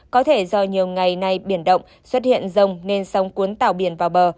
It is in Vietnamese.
có thể do nhiều ngày nay biển động xuất hiện rông nên sóng cuốn tàu biển vào bờ